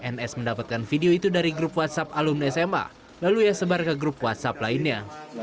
ns mendapatkan video itu dari grup whatsapp alumni sma lalu ia sebar ke grup whatsapp lainnya